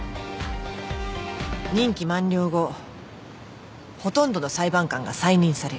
任期満了後ほとんどの裁判官が再任される。